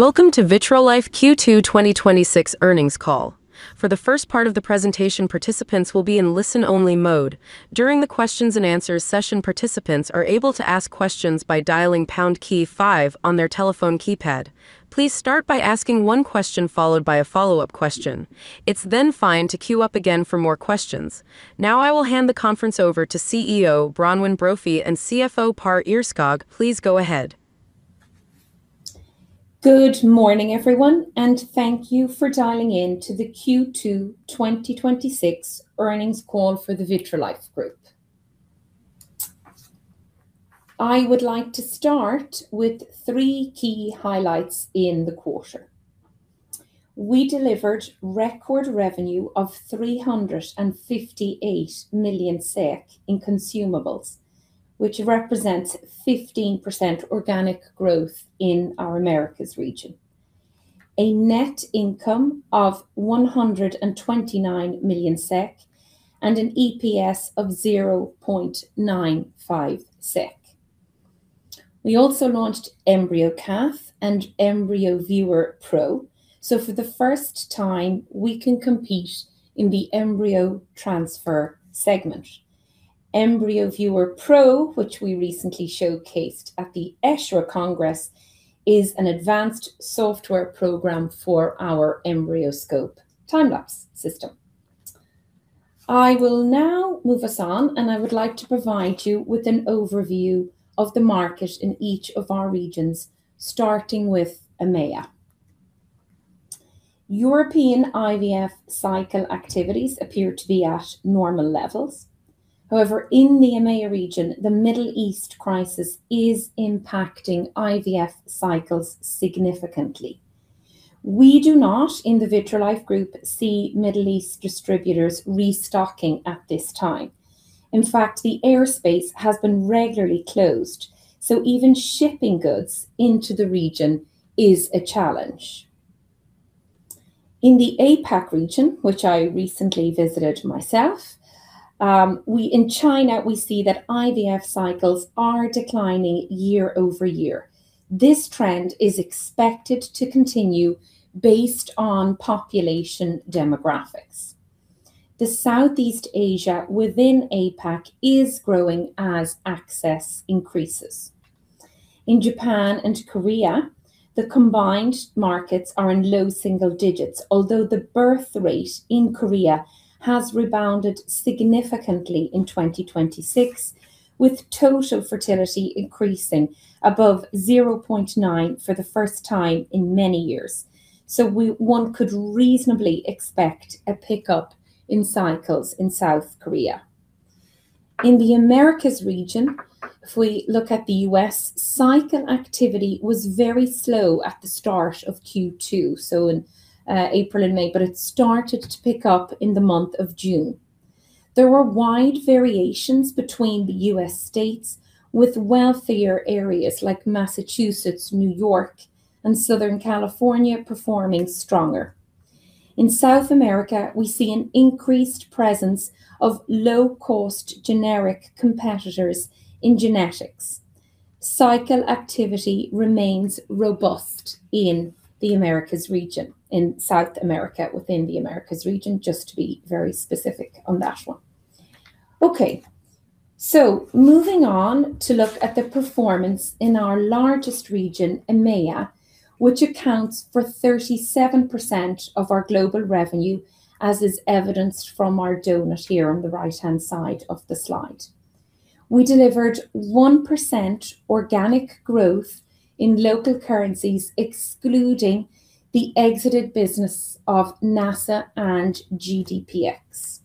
Welcome to Vitrolife Q2 2026 earnings call. For the first part of the presentation, participants will be in listen-only mode. During the questions and answers session, participants are able to ask questions by dialing #5 on their telephone keypad. Please start by asking one question, followed by a follow-up question. It is then fine to queue up again for more questions. Now I will hand the conference over to CEO, Bronwyn Brophy, and CFO, Pär Ihrskog. Please go ahead. Good morning, everyone, and thank you for dialing in to the Q2 2026 earnings call for the Vitrolife Group. I would like to start with three key highlights in the quarter. We delivered record revenue of 358 million in Consumables, which represents 15% organic growth in our Americas region. A net income of 129 million SEK and an EPS of 0.95 SEK. We also launched EmbryoCath and EmbryoViewer Pro, so for the first time, we can compete in the embryo transfer segment. EmbryoViewer Pro, which we recently showcased at the ESHRE Congress, is an advanced software program for our EmbryoScope time-lapse system. I will now move us on, and I would like to provide you with an overview of the market in each of our regions, starting with EMEA. European IVF cycle activities appear to be at normal levels. However, in the EMEA region, the Middle East crisis is impacting IVF cycles significantly. We do not, in the Vitrolife Group, see Middle East distributors restocking at this time. In fact, the airspace has been regularly closed, so even shipping goods into the region is a challenge. In the APAC region, which I recently visited myself, in China, we see that IVF cycles are declining year-over-year. This trend is expected to continue based on population demographics. The Southeast Asia within APAC is growing as access increases. In Japan and Korea, the combined markets are in low single digits, although the birth rate in Korea has rebounded significantly in 2026, with total fertility increasing above 0.9 for the first time in many years. So one could reasonably expect a pickup in cycles in South Korea. In the Americas region, if we look at the U.S., cycle activity was very slow at the start of Q2, so in April and May, but it started to pick up in the month of June. There were wide variations between the U.S. states, with wealthier areas like Massachusetts, New York, and Southern California performing stronger. In South America, we see an increased presence of low-cost generic competitors in Genetics. Cycle activity remains robust in the Americas region, in South America, within the Americas region, just to be very specific on that one. Okay. Moving on to look at the performance in our largest region, EMEA, which accounts for 37% of our global revenue, as is evidenced from our donut here on the right-hand side of the slide. We delivered 1% organic growth in local currencies, excluding the exited business of NACE and GPDx.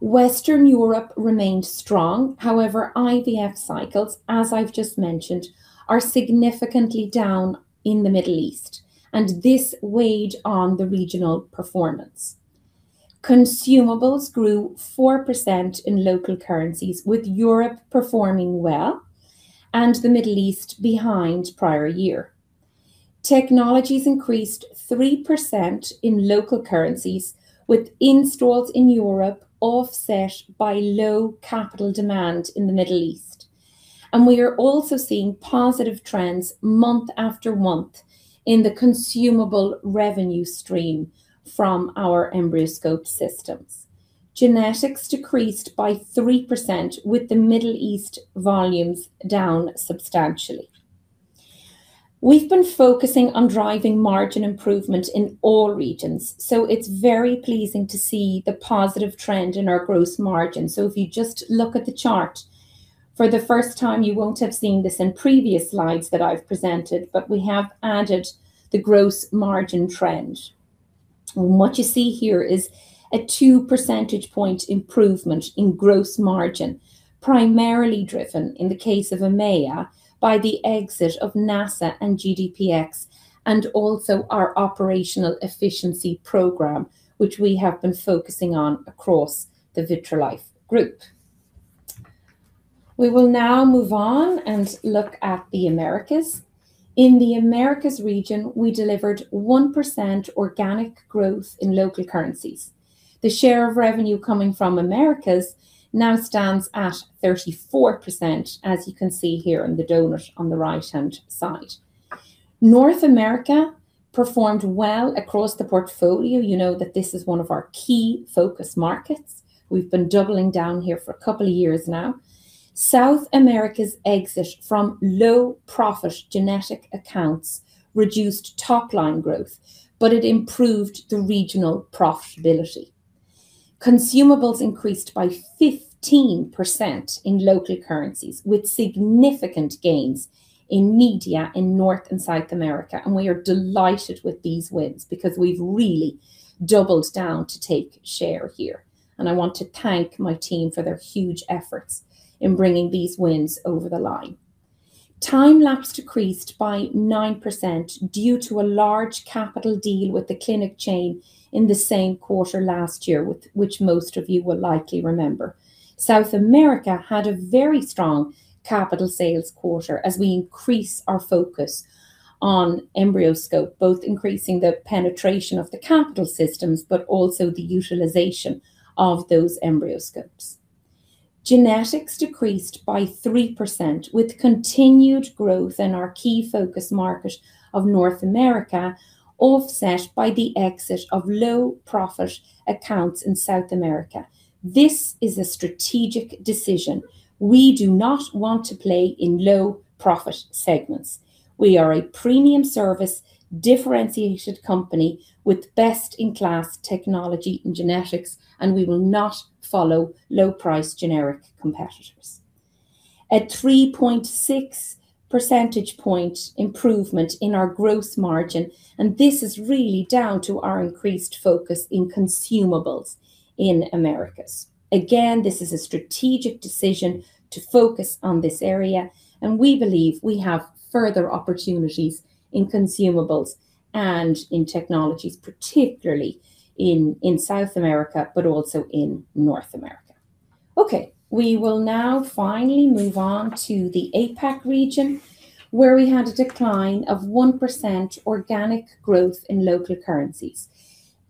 Western Europe remained strong. However, IVF cycles, as I've just mentioned, are significantly down in the Middle East, and this weighed on the regional performance. Consumables grew 4% in local currencies, with Europe performing well and the Middle East behind prior year. Technologies increased 3% in local currencies, with installs in Europe offset by low capital demand in the Middle East. We are also seeing positive trends month after month in the consumable revenue stream from our EmbryoScope systems. Genetics decreased by 3%, with the Middle East volumes down substantially. We've been focusing on driving margin improvement in all regions, so it's very pleasing to see the positive trend in our gross margin. If you just look at the chart, for the first time, you won't have seen this in previous slides that I've presented, but we have added the gross margin trend. What you see here is a 2 percentage point improvement in gross margin, primarily driven, in the case of EMEA, by the exit of NACE and GPDx and also our operational efficiency program, which we have been focusing on across the Vitrolife Group. We will now move on and look at the Americas. In the Americas region, we delivered 1% organic growth in local currencies. The share of revenue coming from Americas now stands at 34%, as you can see here in the donut on the right-hand side. North America performed well across the portfolio. You know that this is one of our key focus markets. We've been doubling down here for a couple of years now. South America's exit from low-profit genetic accounts reduced top-line growth, but it improved the regional profitability. Consumables increased by 15% in local currencies, with significant gains in media in North and South America, and we are delighted with these wins because we've really doubled down to take share here, and I want to thank my team for their huge efforts in bringing these wins over the line. Time lapse decreased by 9% due to a large capital deal with the clinic chain in the same quarter last year, which most of you will likely remember. South America had a very strong capital sales quarter as we increase our focus on EmbryoScope, both increasing the penetration of the capital systems but also the utilization of those EmbryoScopes. Genetics decreased by 3%, with continued growth in our key focus market of North America, offset by the exit of low-profit accounts in South America. This is a strategic decision. We do not want to play in low-profit segments. We are a premium service, differentiated company with best-in-class technology in genetics, and we will not follow low-price generic competitors. A 3.6 percentage point improvement in our gross margin, and this is really down to our increased focus in Consumables in Americas. Again, this is a strategic decision to focus on this area, and we believe we have further opportunities in Consumables and in Technologies, particularly in South America, but also in North America. We will now finally move on to the APAC region, where we had a decline of 1% organic growth in local currencies.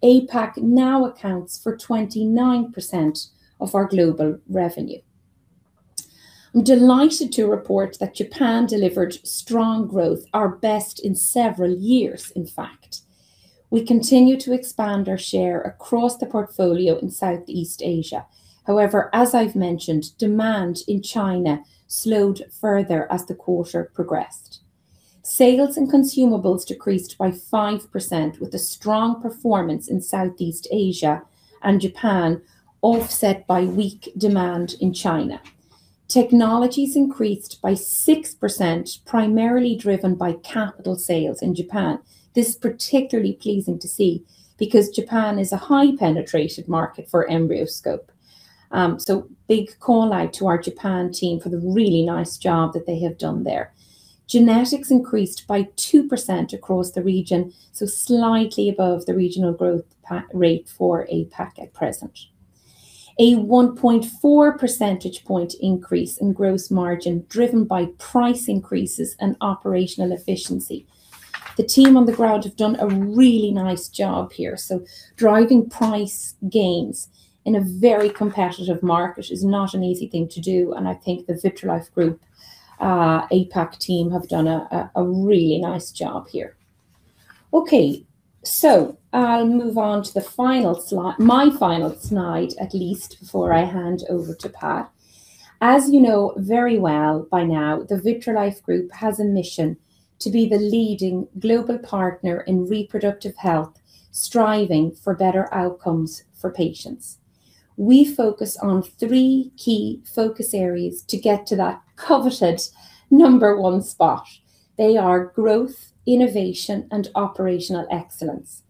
APAC now accounts for 29% of our global revenue. I'm delighted to report that Japan delivered strong growth, our best in several years, in fact. We continue to expand our share across the portfolio in Southeast Asia. However, as I've mentioned, demand in China slowed further as the quarter progressed. Sales and Consumables decreased by 5%, with a strong performance in Southeast Asia and Japan offset by weak demand in China. Technologies increased by 6%, primarily driven by capital sales in Japan. This is particularly pleasing to see because Japan is a high-penetrated market for EmbryoScope. Big call-out to our Japan team for the really nice job that they have done there. Genetics increased by 2% across the region, so slightly above the regional growth rate for APAC at present. A 1.4 percentage point increase in gross margin, driven by price increases and operational efficiency. The team on the ground have done a really nice job here. Driving price gains in a very competitive market is not an easy thing to do, and I think the Vitrolife Group APAC team have done a really nice job here. Okay. I'll move on to the final slide, my final slide at least, before I hand over to Pär. As you know very well by now, the Vitrolife Group has a mission to be the leading global partner in reproductive health, striving for better outcomes for patients. We focus on three key focus areas to get to that coveted number one spot. They are growth, innovation, and operational excellence.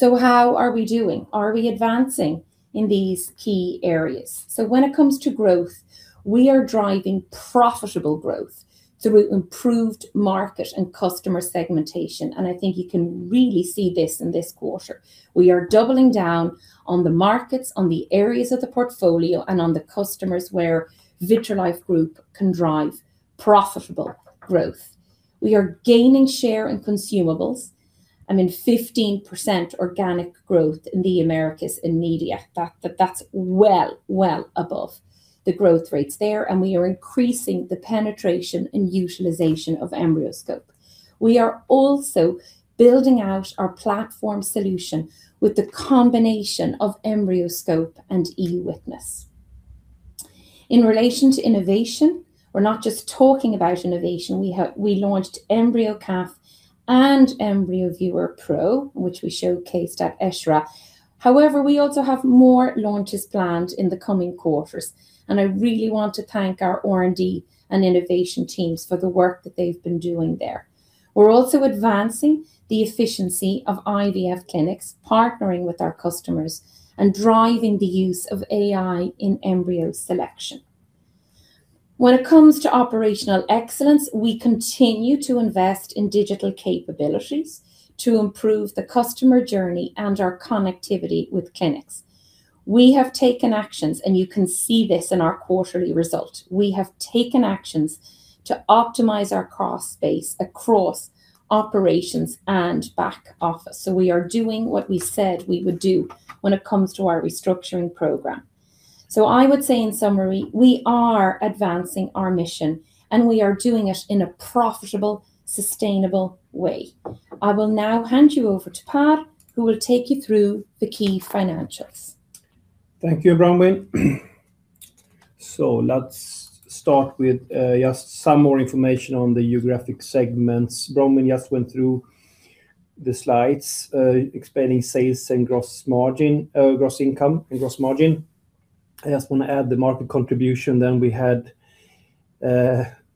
How are we doing? Are we advancing in these key areas? When it comes to growth, we are driving profitable growth through improved market and customer segmentation, and I think you can really see this in this quarter. We are doubling down on the markets, on the areas of the portfolio, and on the customers where Vitrolife Group can drive profitable growth. We are gaining share in Consumables. I mean, 15% organic growth in the Americas in media. That's well above the growth rates there, and we are increasing the penetration and utilization of EmbryoScope. We are also building out our platform solution with the combination of EmbryoScope and eWitness. In relation to innovation, we're not just talking about innovation. We launched EmbryoCath and EmbryoViewer Pro, which we showcased at ESHRE. However, we also have more launches planned in the coming quarters, and I really want to thank our R&D and innovation teams for the work that they've been doing there. We're also advancing the efficiency of IVF clinics, partnering with our customers, and driving the use of AI in embryo selection. When it comes to operational excellence, we continue to invest in digital capabilities to improve the customer journey and our connectivity with clinics. We have taken actions, and you can see this in our quarterly result. We have taken actions to optimize our cost base across operations and back office. We are doing what we said we would do when it comes to our restructuring program. I would say in summary, we are advancing our mission and we are doing it in a profitable, sustainable way. I will now hand you over to Pär, who will take you through the key financials. Thank you, Bronwyn. Let's start with just some more information on the geographic segments. Bronwyn just went through the slides, explaining sales and gross income and gross margin. I just want to add the market contribution. We had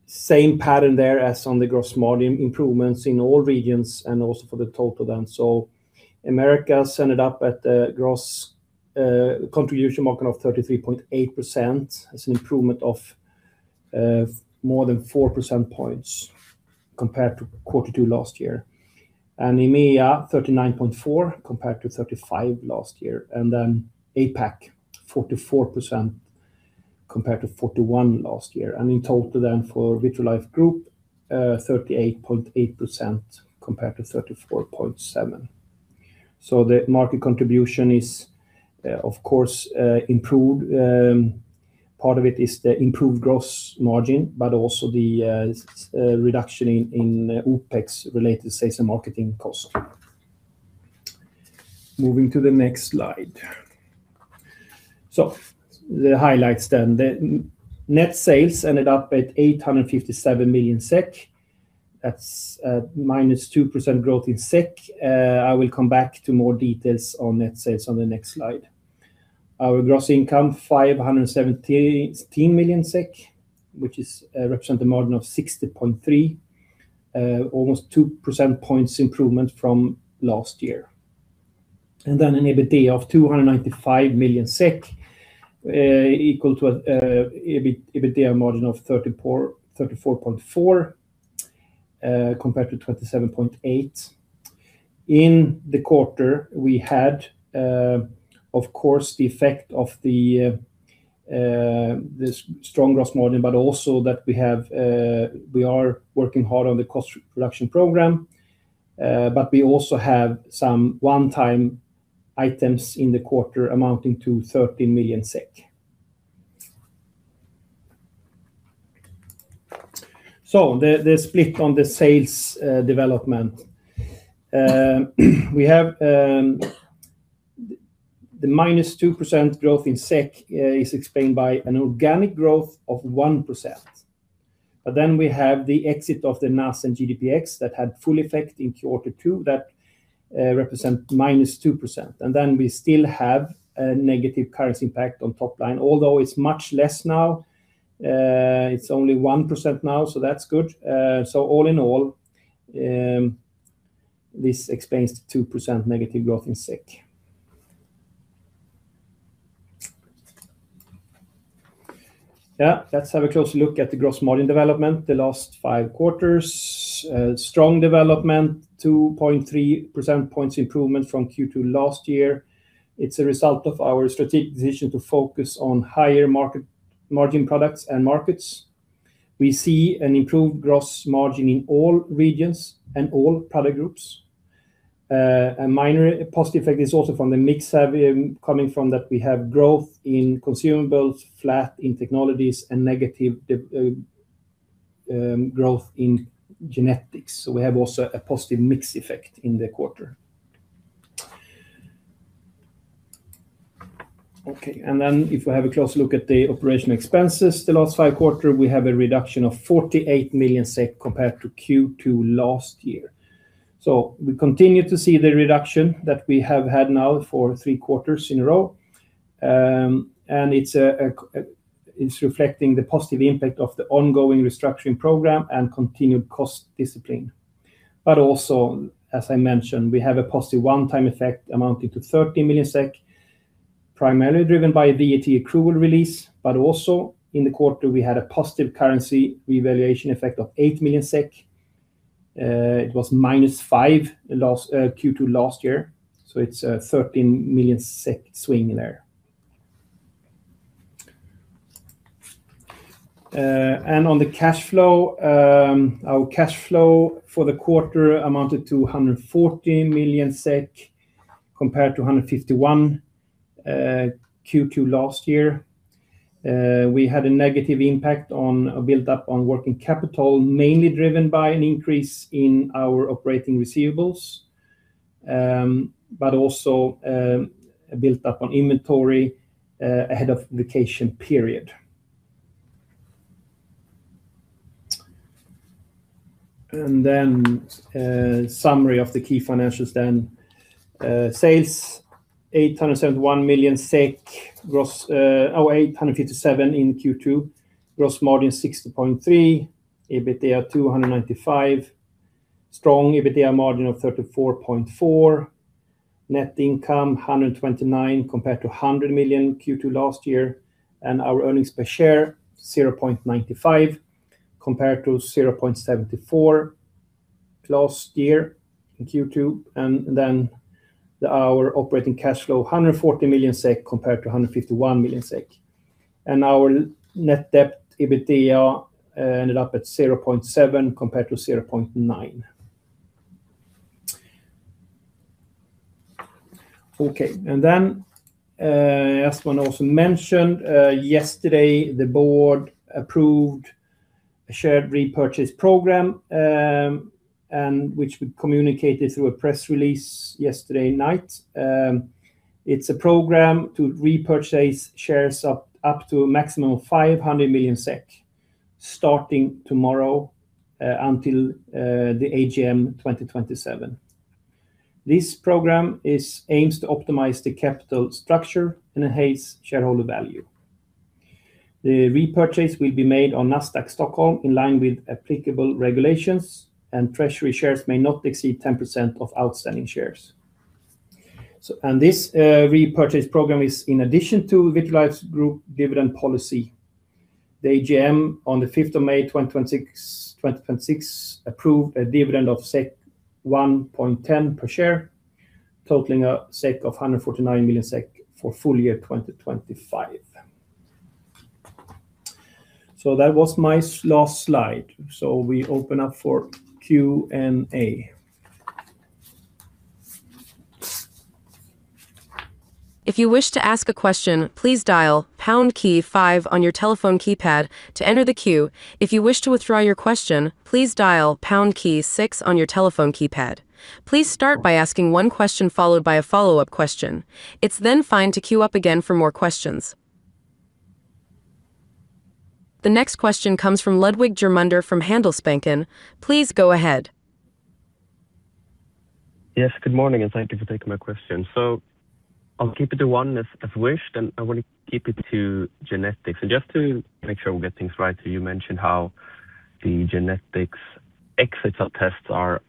same pattern there as on the gross margin improvements in all regions and also for the total. America ended up at gross contribution margin of 33.8% as an improvement of more than 4 percentage points compared to quarter two last year. EMEA 39.4% compared to 35% last year. APAC 44% compared to 41% last year. In total for Vitrolife Group, 38.8% compared to 34.7%. The market contribution is of course improved. Part of it is the improved gross margin, but also the reduction in OpEx related sales and marketing cost. Moving to the next slide. The highlights. The net sales ended up at 857 million SEK, that's -2% growth in SEK. I will come back to more details on net sales on the next slide. Our gross income 517 million SEK, which represent a margin of 60.3%, almost 2 percentage points improvement from last year. An EBITDA of 295 million SEK, equal to EBITDA margin of 34.4%, compared to 27.8%. In the quarter we had of course the effect of the strong gross margin, but also that we are working hard on the cost reduction program. We also have some one-time items in the quarter amounting to 13 million SEK. The split on the sales development. The -2% growth in SEK is explained by an organic growth of 1%. We have the exit of the NACE and GPDx that had full effect in quarter two that represent -2%. We still have a negative currency impact on top line, although it's much less now. It's only 1% now, so that's good. All in all, this explains the 2% negative growth in SEK. Let's have a closer look at the gross margin development the last five quarters. Strong development, 2.3 percentage points improvement from Q2 last year. It's a result of our strategic decision to focus on higher margin products and markets. We see an improved gross margin in all regions and all product groups. A minor positive effect is also from the mix coming from that we have growth in Consumables, flat in Technologies, and negative growth in Genetics. We have also a positive mix effect in the quarter. If we have a close look at the operational expenses the last five quarters, we have a reduction of 48 million SEK compared to Q2 last year. We continue to see the reduction that we have had now for three quarters in a row. It's reflecting the positive impact of the ongoing restructuring program and continued cost discipline. Also as I mentioned, we have a positive one-time effect amounting to 30 million SEK, primarily driven by VAT accrual release, but also in the quarter, we had a positive currency revaluation effect of 8 million SEK. It was -5 million Q2 last year, so it's a 13 million SEK swing there. On the cash flow, our cash flow for the quarter amounted to 114 million SEK compared to 151 million Q2 last year. We had a negative impact on a buildup on working capital, mainly driven by an increase in our operating receivables, but also a buildup on inventory ahead of the vacation period. Summary of the key financials then. Sales, 871 million SEK, 857 million in Q2. Gross margin 60.3%. EBITDA 295 million. Strong EBITDA margin of 34.4%. Net income 129 million compared to 100 million Q2 last year. Our earnings per share, 0.95 compared to 0.74 last year in Q2. Our operating cash flow, 140 million SEK compared to 151 million SEK. Our net debt EBITDA ended up at 0.7x compared to 0.9x. As one also mentioned, yesterday the board approved a share repurchase program, which we communicated through a press release yesterday night. It is a program to repurchase shares up to a maximum of 500 million SEK, starting tomorrow until the AGM 2027. This program aims to optimize the capital structure and enhance shareholder value. The repurchase will be made on Nasdaq Stockholm in line with applicable regulations, and treasury shares may not exceed 10% of outstanding shares. This repurchase program is in addition to Vitrolife Group dividend policy. The AGM on the 5th of May 2026 approved a dividend of 1.10 per share, totaling 149 million SEK for full year 2025. That was my last slide. We open up for Q&A. If you wish to ask a question, please dial pound key five on your telephone keypad to enter the queue. If you wish to withdraw your question, please dial pound key six on your telephone keypad. Please start by asking one question, followed by a follow-up question. It is then fine to queue up again for more questions. The next question comes from Ludwig Germunder from Handelsbanken. Please go ahead. Good morning, and thank you for taking my question. I will keep it to one as wished, and I want to keep it to Genetics. Just to make sure we get things right, you mentioned how the Genetics exits or tests are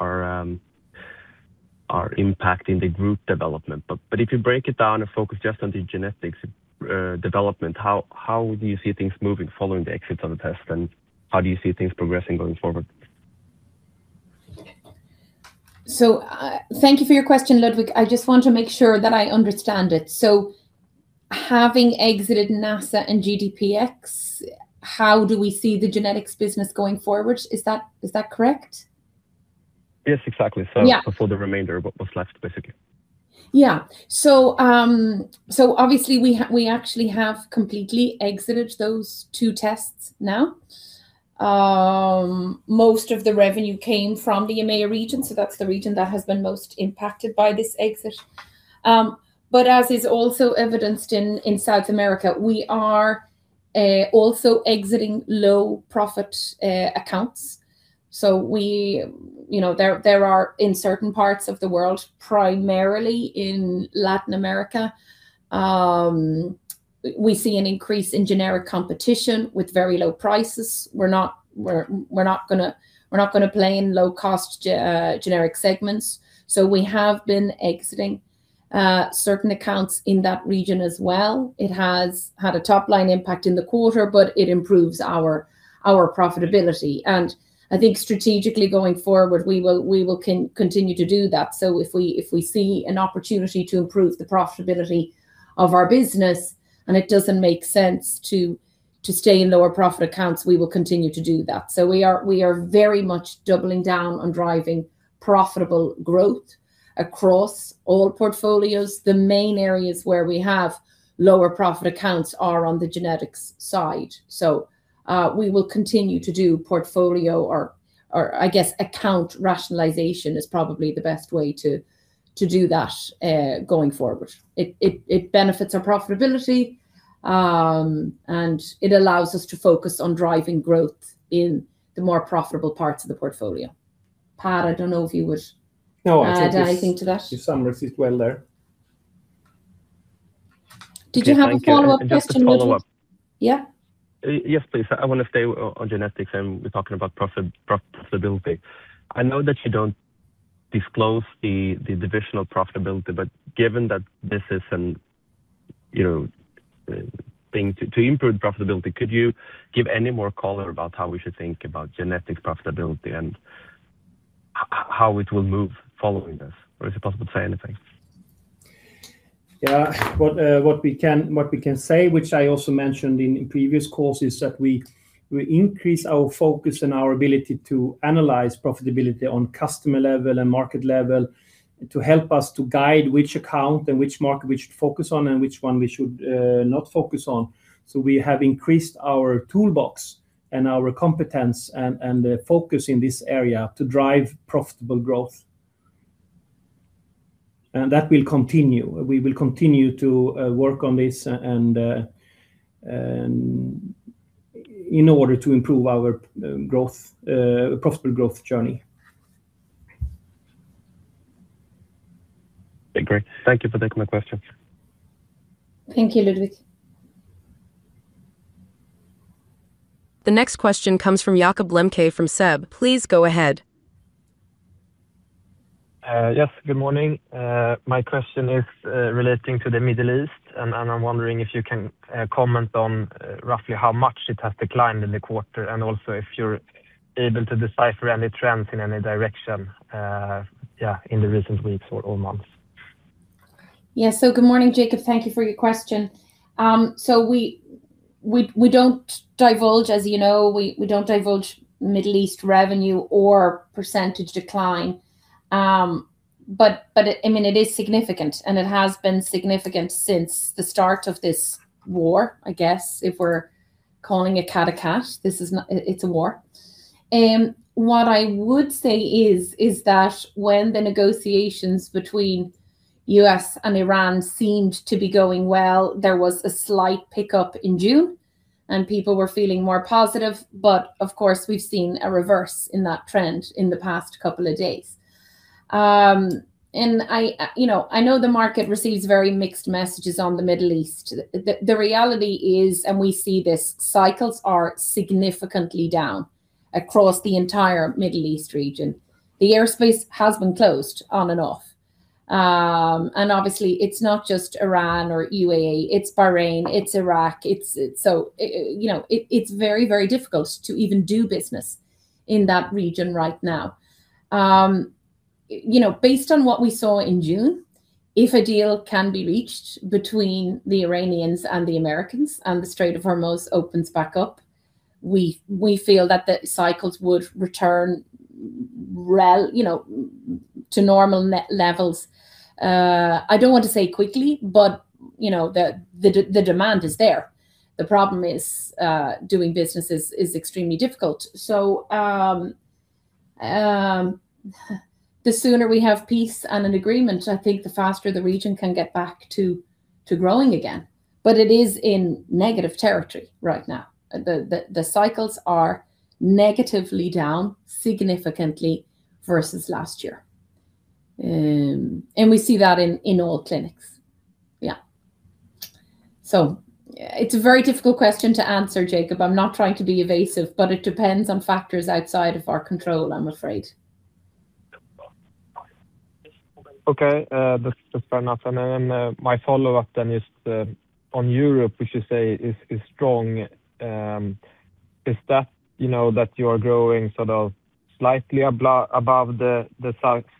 impacting the Group development. If you break it down and focus just on the Genetics development, how do you see things moving following the exits of the test, how do you see things progressing going forward? Thank you for your question, Ludwig. I just want to make sure that I understand it. Having exited NACE and GPDx, how do we see the genetics business going forward? Is that correct? Yes, exactly. Yeah. For the remainder of what's left, basically. Obviously we actually have completely exited those two tests now. Most of the revenue came from the EMEA region, that's the region that has been most impacted by this exit. As is also evidenced in South America, we are also exiting low-profit accounts. There are, in certain parts of the world, primarily in Latin America, we see an increase in generic competition with very low prices. We're not going to play in low-cost generic segments. We have been exiting certain accounts in that region as well. It has had a top-line impact in the quarter, but it improves our profitability. I think strategically going forward, we will continue to do that. If we see an opportunity to improve the profitability of our business and it doesn't make sense to stay in lower profit accounts, we will continue to do that. We are very much doubling down on driving profitable growth across all portfolios. The main areas where we have lower profit accounts are on the Genetics side. We will continue to do portfolio or, I guess, account rationalization is probably the best way to do that going forward. It benefits our profitability, and it allows us to focus on driving growth in the more profitable parts of the portfolio. Pär, I don't know if you would add anything to that. You summarized it well there. Did you have a follow-up question, Ludwig? Just a follow-up. Yeah. Yes, please. I want to stay on Genetics, and we're talking about profitability. I know that you don't disclose the divisional profitability, but given that this is a thing to improve profitability, could you give any more color about how we should think about Genetics profitability and how it will move following this? Is it possible to say anything? Yeah. What we can say, which I also mentioned in previous calls, is that we increase our focus and our ability to analyze profitability on customer level and market level to help us to guide which account and which market we should focus on and which one we should not focus on. We have increased our toolbox and our competence and the focus in this area to drive profitable growth. That will continue. We will continue to work on this in order to improve our profitable growth journey. Great. Thank you for taking my question. Thank you, Ludwig. The next question comes from Jakob Lembke from SEB. Please go ahead. Yes, good morning. My question is relating to the Middle East, I'm wondering if you can comment on roughly how much it has declined in the quarter, also if you're able to decipher any trends in any direction in the recent weeks or months. Good morning, Jakob. Thank you for your question. We don't divulge Middle East revenue or percentage decline. It is significant, it has been significant since the start of this war, I guess, if we're calling it cat a cat. It's a war. What I would say is that when the negotiations between U.S. and Iran seemed to be going well, there was a slight pickup in June people were feeling more positive. Of course, we've seen a reverse in that trend in the past couple of days. I know the market receives very mixed messages on the Middle East. The reality is, we see this, cycles are significantly down across the entire Middle East region. The airspace has been closed on and off. Obviously it's not just Iran or UAE, it's Bahrain, it's Iraq. It's very difficult to even do business in that region right now. Based on what we saw in June, if a deal can be reached between the Iranians and the Americans, the Strait of Hormuz opens back up, we feel that the cycles would return to normal levels. I don't want to say quickly, the demand is there. The problem is doing business is extremely difficult. The sooner we have peace and an agreement, I think the faster the region can get back to growing again. It is in negative territory right now. The cycles are negatively down significantly versus last year. We see that in all clinics. It's a very difficult question to answer, Jakob. I'm not trying to be evasive, it depends on factors outside of our control, I'm afraid. Okay. That's fair enough. My follow-up then is on Europe, which you say is strong. Is that you are growing sort of slightly above the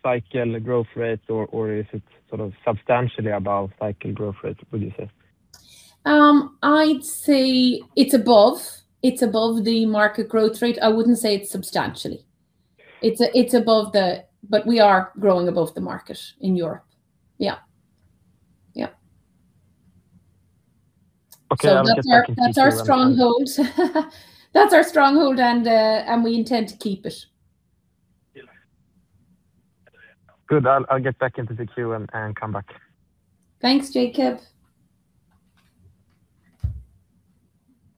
cycle growth rate or is it sort of substantially above cycle growth rate, would you say? I'd say it's above the market growth rate. I wouldn't say it's substantially. We are growing above the market in Europe. Yeah. Okay. I'll get back into the queue. That's our stronghold and we intend to keep it. Good. I'll get back into the queue and come back. Thanks, Jakob.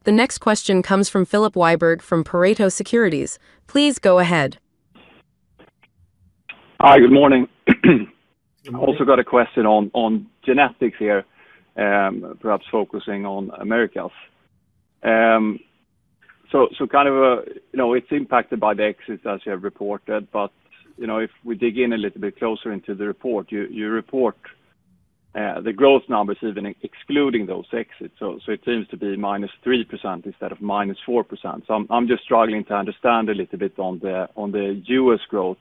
The next question comes from Filip Wiberg from Pareto Securities. Please go ahead. Hi. Good morning. I've also got a question on Genetics here, perhaps focusing on Americas. It's impacted by the exits as you have reported. If we dig in a little bit closer into the report, you report the growth numbers even excluding those exits. It seems to be -3% instead of -4%. I'm just struggling to understand a little bit on the U.S. growth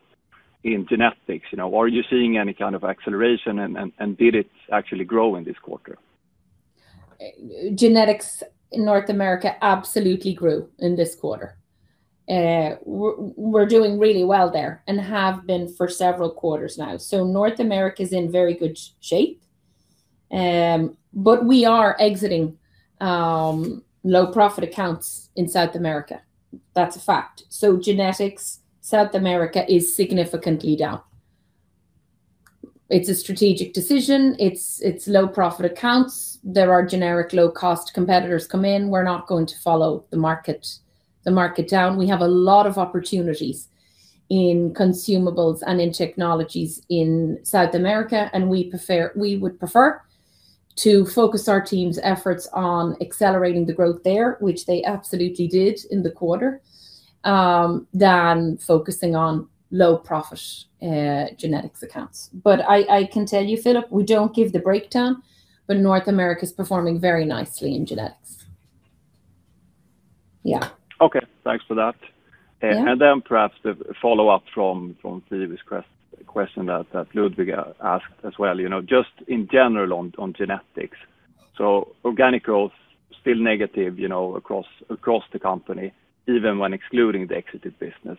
in Genetics. Are you seeing any kind of acceleration and did it actually grow in this quarter? Genetics in North America absolutely grew in this quarter. We're doing really well there and have been for several quarters now. North America's in very good shape. We are exiting low-profit accounts in South America. That's a fact. Genetics South America is significantly down. It's a strategic decision. It's low-profit accounts. There are generic low-cost competitors come in. We're not going to follow the market down. We have a lot of opportunities in Consumables and in Technologies in South America, and we would prefer to focus our team's efforts on accelerating the growth there, which they absolutely did in the quarter, than focusing on low-profit Genetics accounts. I can tell you, Filip, we don't give the breakdown, but North America is performing very nicely in Genetics. Okay. Thanks for that. Yeah. Perhaps the follow-up from Filip's question that Ludwig asked as well. Just in general on Genetics. Organic growth, still negative across the company, even when excluding the exited business.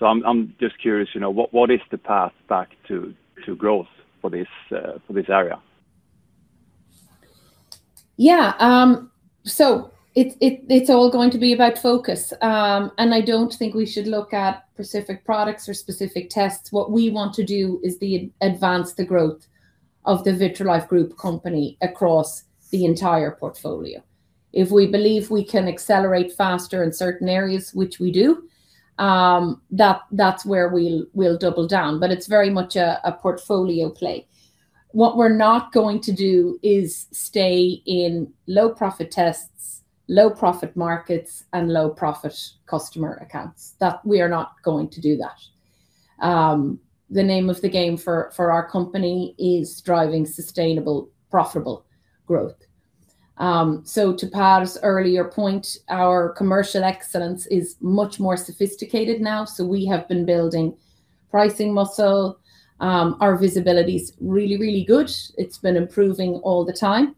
I'm just curious, what is the path back to growth for this area? It's all going to be about focus. I don't think we should look at specific products or specific tests. What we want to do is advance the growth of the Vitrolife Group company across the entire portfolio. If we believe we can accelerate faster in certain areas, which we do, that's where we'll double down. It's very much a portfolio play. What we're not going to do is stay in low-profit tests, low-profit markets, and low-profit customer accounts. We are not going to do that. The name of the game for our company is driving sustainable, profitable growth. To Pär's earlier point, our commercial excellence is much more sophisticated now. We have been building pricing muscle. Our visibility's really good. It's been improving all the time.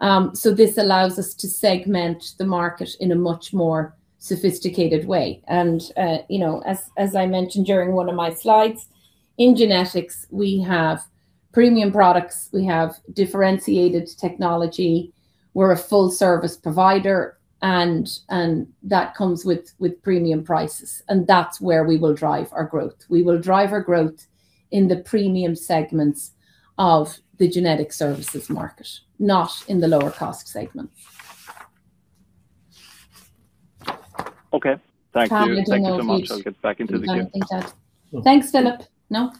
This allows us to segment the market in a much more sophisticated way. As I mentioned during one of my slides, in genetics, we have premium products, we have differentiated technology, we're a full-service provider, and that comes with premium prices, and that's where we will drive our growth. We will drive our growth in the premium segments of the genetic services market, not in the lower-cost segment. Okay. Thank you. Pär, I don't know if you- Thank you so much. I'll get back into the queue. have anything to add to that. Thanks, Filip. No.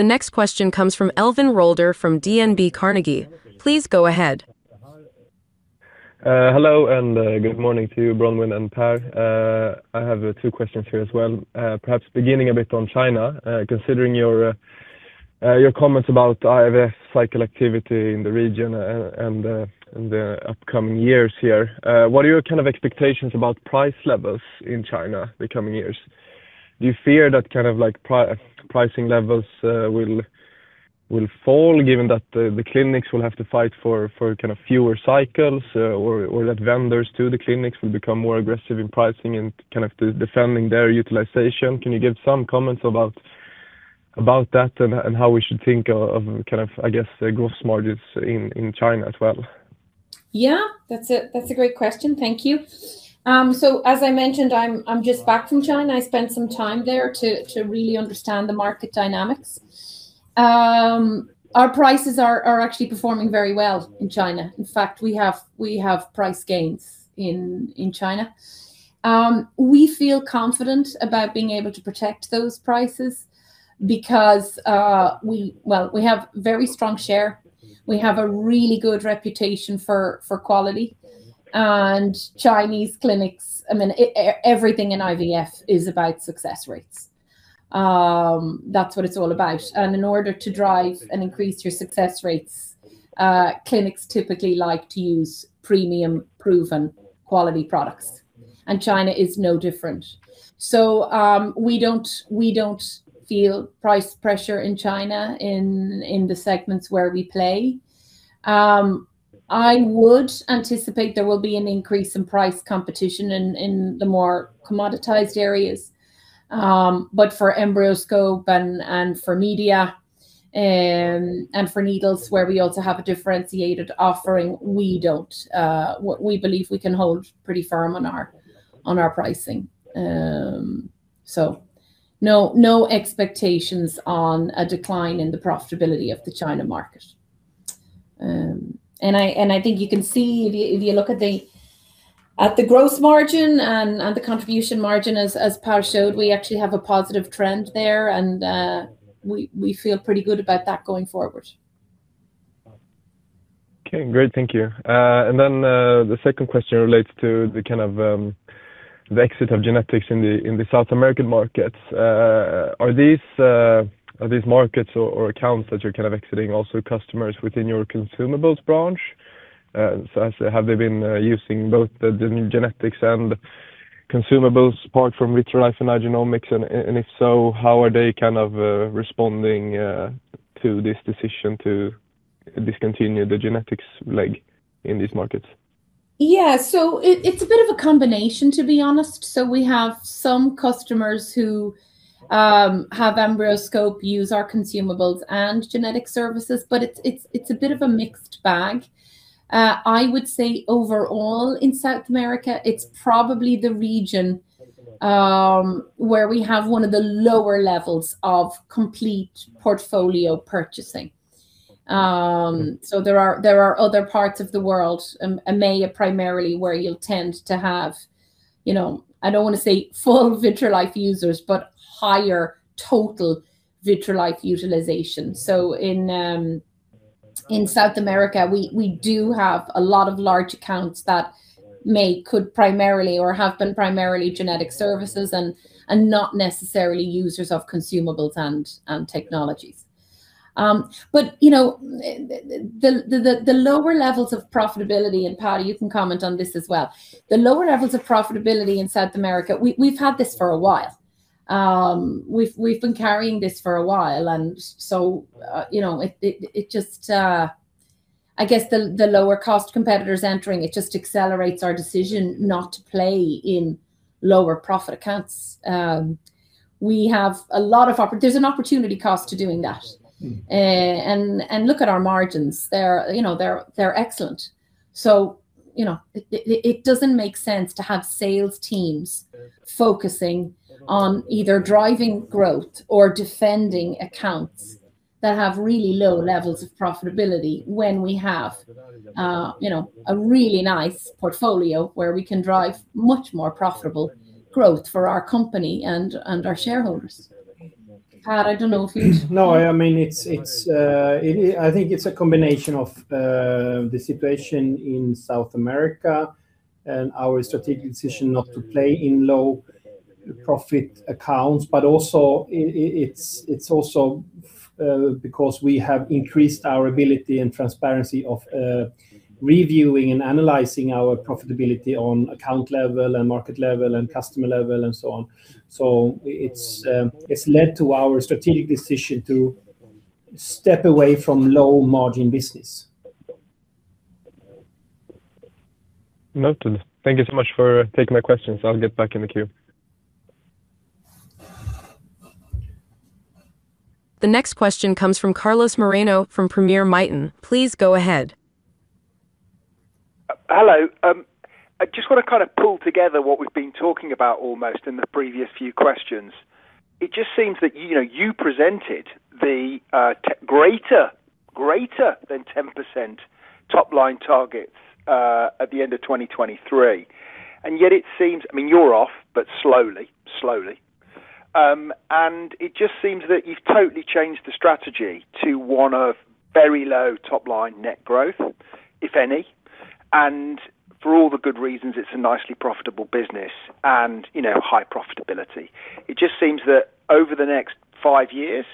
The next question comes from Elvin Rolder from DNB Carnegie. Please go ahead. Hello, and good morning to you, Bronwyn and Pär. I have two questions here as well. Perhaps beginning a bit on China, considering your comments about IVF cycle activity in the region and the upcoming years here. What are your expectations about price levels in China the coming years? Do you fear that pricing levels will fall, given that the clinics will have to fight for fewer cycles, or that vendors to the clinics will become more aggressive in pricing and defending their utilization? Can you give some comments about that and how we should think of gross margins in China as well? Yeah. That's a great question. Thank you. As I mentioned, I'm just back from China. I spent some time there to really understand the market dynamics. Our prices are actually performing very well in China. In fact, we have price gains in China. We feel confident about being able to protect those prices because we have a very strong share, we have a really good reputation for quality, and Chinese clinics, everything in IVF is about success rates. That's what it's all about. In order to drive and increase your success rates, clinics typically like to use premium, proven quality products, and China is no different. We don't feel price pressure in China in the segments where we play. I would anticipate there will be an increase in price competition in the more commoditized areas. For EmbryoScope and for media and for needles, where we also have a differentiated offering, we believe we can hold pretty firm on our pricing. No expectations on a decline in the profitability of the China market. I think you can see, if you look at the gross margin and the contribution margin, as Pär showed, we actually have a positive trend there, and we feel pretty good about that going forward. Okay, great. Thank you. The second question relates to the exit of Genetics in the South American markets. Are these markets or accounts that you're exiting also customers within your Consumables branch? Have they been using both the Genetics and Consumables part from Vitrolife and Igenomix? If so, how are they responding to this decision to discontinue the Genetics leg in these markets? Yeah. It's a bit of a combination, to be honest. We have some customers who have EmbryoScope, use our Consumables and Genetic Services, but it's a bit of a mixed bag. I would say overall in South America, it's probably the region where we have one of the lower levels of complete portfolio purchasing. There are other parts of the world, EMEA primarily, where you'll tend to have, I don't want to say full Vitrolife users, but higher total Vitrolife utilization. In South America, we do have a lot of large accounts that could primarily or have been primarily Genetic Services and not necessarily users of Consumables and Technologies. The lower levels of profitability, and Pär, you can comment on this as well, the lower levels of profitability in South America, we've had this for a while. We've been carrying this for a while, I guess the lower-cost competitors entering, it just accelerates our decision not to play in lower-profit accounts. There's an opportunity cost to doing that, and look at our margins. They're excellent. It doesn't make sense to have sales teams focusing on either driving growth or defending accounts that have really low levels of profitability when we have a really nice portfolio where we can drive much more profitable growth for our company and our shareholders. Pär, I don't know if you'd- I think it's a combination of the situation in South America and our strategic decision not to play in low-profit accounts, but it's also because we have increased our ability and transparency of reviewing and analyzing our profitability on account level and market level and customer level and so on. It's led to our strategic decision to step away from low-margin business. Noted. Thank you so much for taking my questions. I'll get back in the queue. The next question comes from Carlos Moreno from Premier Miton. Please go ahead. Hello. I just want to pull together what we've been talking about almost in the previous few questions. It just seems that you presented the greater than 10% top line targets at the end of 2023, yet it seems, you're off, but slowly. It just seems that you've totally changed the strategy to one of very low top line net growth, if any, and for all the good reasons, it's a nicely profitable business and high profitability. It just seems that over the next five years,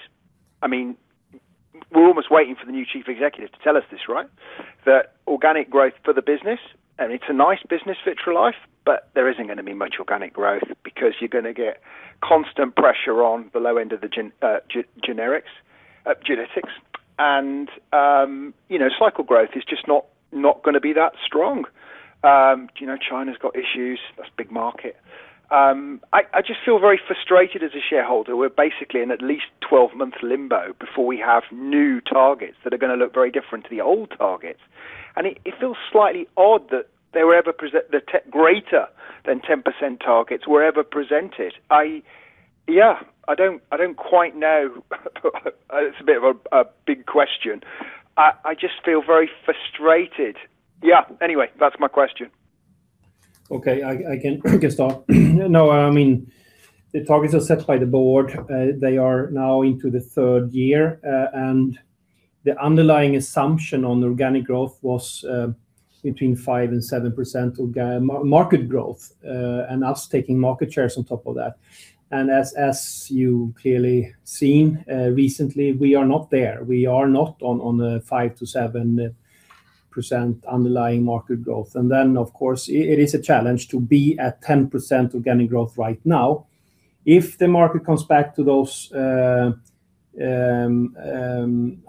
we're almost waiting for the new chief executive to tell us this, that organic growth for the business, and it's a nice business, Vitrolife, but there isn't going to be much organic growth because you're going to get constant pressure on the low end of the genetics. Cycle growth is just not going to be that strong. China's got issues. That's a big market. I just feel very frustrated as a shareholder. We're basically in at least 12 months limbo before we have new targets that are going to look very different to the old targets. It feels slightly odd that the greater than 10% targets were ever presented. I don't quite know. It's a bit of a big question. I just feel very frustrated. Anyway, that's my question. Okay. I can just start. No, the targets are set by the board. They are now into the third year. The underlying assumption on organic growth was between 5% and 7% market growth, and us taking market shares on top of that. As you clearly seen recently, we are not there. We are not on the 5%-7% underlying market growth. Of course, it is a challenge to be at 10% organic growth right now. If the market comes back to those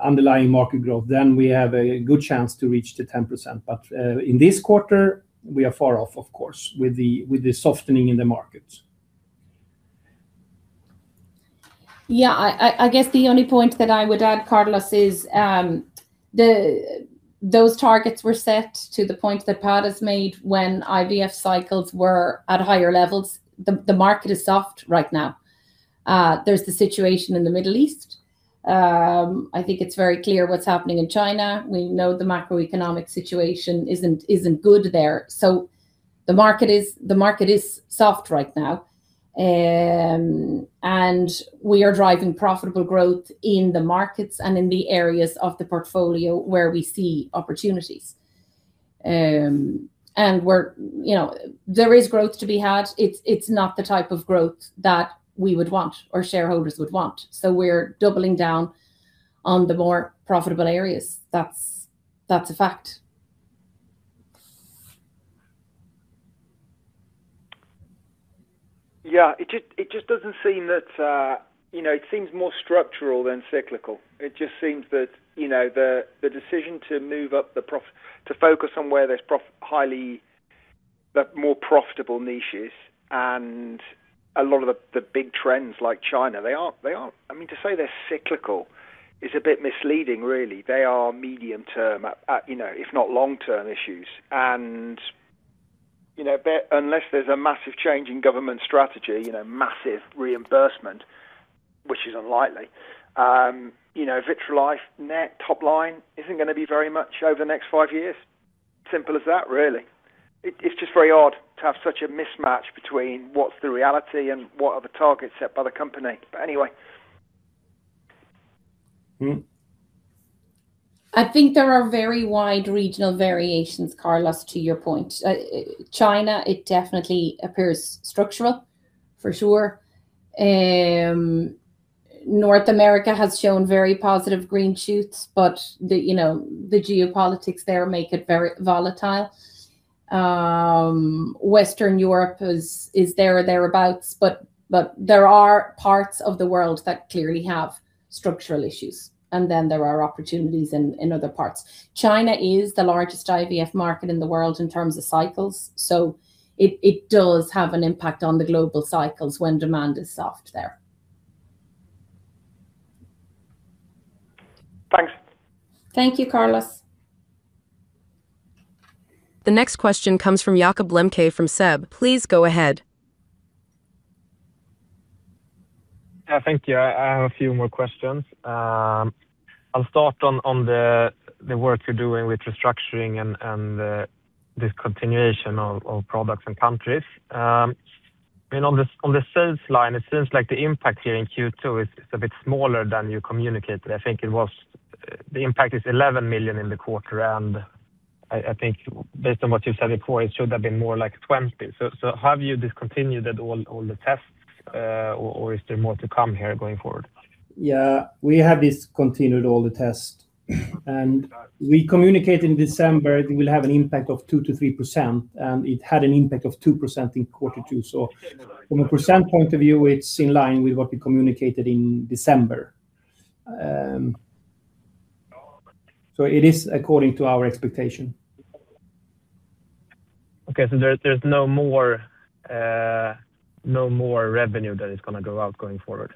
underlying market growth, we have a good chance to reach the 10%. In this quarter, we are far off, of course, with the softening in the market. Yeah. I guess the only point that I would add, Carlos, is those targets were set to the point that Pär has made when IVF cycles were at higher levels. The market is soft right now. There's the situation in the Middle East. I think it's very clear what's happening in China. We know the macroeconomic situation isn't good there. The market is soft right now, and we are driving profitable growth in the markets and in the areas of the portfolio where we see opportunities. There is growth to be had. It's not the type of growth that we would want or shareholders would want. We're doubling down on the more profitable areas. That's a fact. Yeah. It seems more structural than cyclical. It just seems that the decision to focus on where there's more profitable niches and a lot of the big trends like China, to say they're cyclical is a bit misleading really. They are medium term, if not long term, issues. Unless there's a massive change in government strategy, massive reimbursement, which is unlikely, Vitrolife net top line isn't going to be very much over the next five years. Simple as that, really. It's just very odd to have such a mismatch between what's the reality and what are the targets set by the company. Anyway. I think there are very wide regional variations, Carlos, to your point. China, it definitely appears structural, for sure. North America has shown very positive green shoots, but the geopolitics there make it very volatile. Western Europe is there or thereabouts, but there are parts of the world that clearly have structural issues, and then there are opportunities in other parts. China is the largest IVF market in the world in terms of cycles, so it does have an impact on the global cycles when demand is soft there. Thanks. Thank you, Carlos. The next question comes from Jakob Lembke from SEB. Please go ahead. Yeah, thank you. I have a few more questions. I'll start on the work you're doing with restructuring and discontinuation of products and countries. On the sales line, it seems like the impact here in Q2 is a bit smaller than you communicated. I think it was The impact is 11 million in the quarter. I think based on what you said before, it should have been more like 20 million. Have you discontinued all the tests, or is there more to come here going forward? Yeah. We have discontinued all the tests, and we communicate in December it will have an impact of 2%-3%, and it had an impact of 2% in quarter two. From a percent point of view, it's in line with what we communicated in December. It is according to our expectation. Okay. There's no more revenue that is going to go out going forward?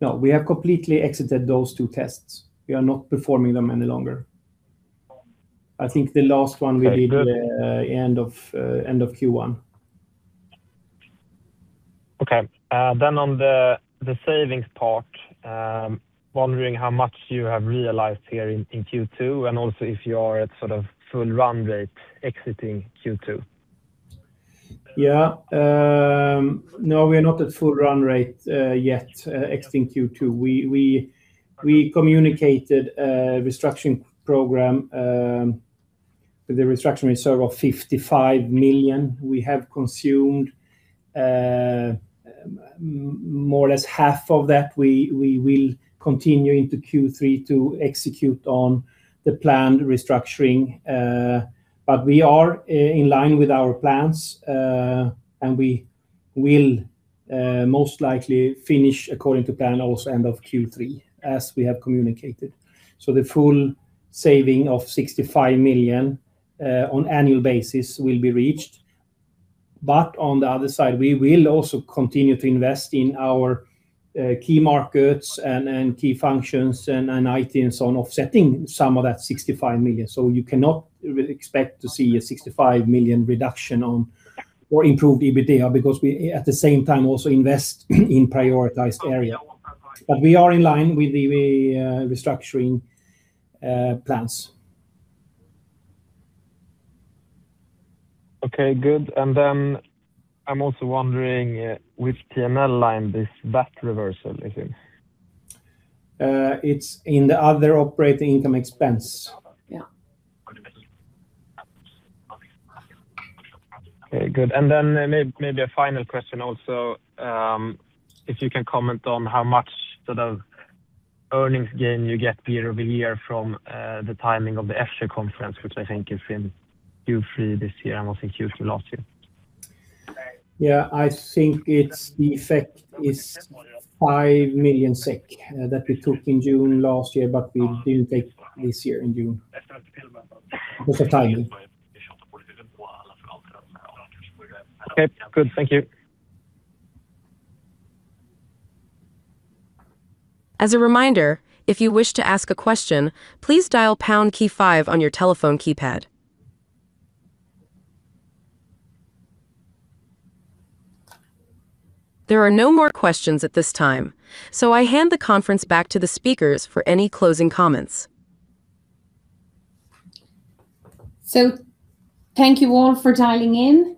No. We have completely exited those two tests. We are not performing them any longer. Very good. I think the last one was at end of Q1. Okay. On the savings part, wondering how much you have realized here in Q2 and also if you are at sort of full run rate exiting Q2. Yeah. No, we are not at full run rate yet exiting Q2. We communicated a restructuring program with a restructuring reserve of 55 million. We have consumed more or less half of that. We will continue into Q3 to execute on the planned restructuring. We are in line with our plans, and we will most likely finish according to plan also end of Q3 as we have communicated. The full saving of 65 million on annual basis will be reached. On the other side, we will also continue to invest in our key markets and key functions and IT and so on, offsetting some of that 65 million. You cannot really expect to see a 65 million reduction on or improved EBITDA because we at the same time also invest in prioritized areas. We are in line with the restructuring plans. Okay, good. I'm also wondering which P&L line this VAT reversal is in. It's in the other operating income expense. Yeah. Okay, good. Then maybe a final question also, if you can comment on how much sort of earnings gain you get year-over-year from the timing of the ESHRE conference, which I think is in Q3 this year and was in Q3 last year. Yeah, I think the effect is 5 million SEK that we took in June last year, we didn't take this year in June. Because of timing. Okay, good. Thank you. As a reminder, if you wish to ask a question, please dial pound key five on your telephone keypad. There are no more questions at this time. I hand the conference back to the speakers for any closing comments. Thank you all for dialing in.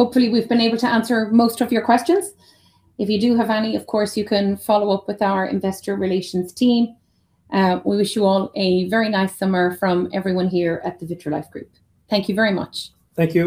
Hopefully we've been able to answer most of your questions. If you do have any, of course you can follow up with our investor relations team. We wish you all a very nice summer from everyone here at the Vitrolife Group. Thank you very much. Thank you.